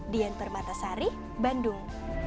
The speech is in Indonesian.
dian permatasari bandung